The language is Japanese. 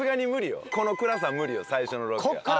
この暗さ無理よ最初のロケは。